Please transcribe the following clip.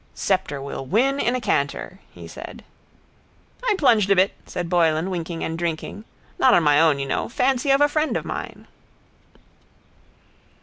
—Sceptre will win in a canter, he said. —I plunged a bit, said Boylan winking and drinking. Not on my own, you know. Fancy of a friend of mine.